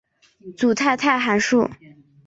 组态态函数。